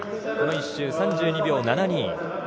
この１周、３２秒７２。